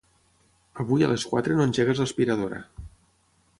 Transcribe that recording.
Avui a les quatre no engeguis l'aspiradora.